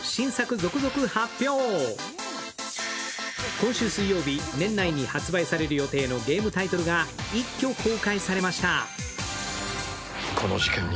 今週水曜日、年内に発売される予定のゲームタイトルが一挙公開されました。